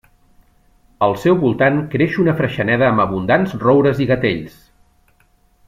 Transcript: Al seu voltant creix una freixeneda amb abundants roures i gatells.